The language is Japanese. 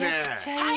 はい！